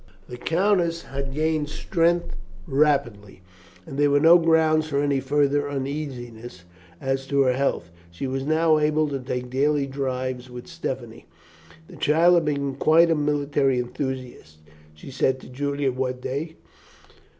The countess had gained strength rapidly, and there were no grounds for any further uneasiness as to her health; she was now able to take daily drives with Stephanie. "The child has become quite a military enthusiast," she said to Julian one day.